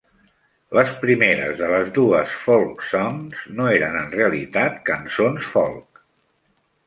La primera de les dues "Folk Songs" no eren en realitat cançons folk.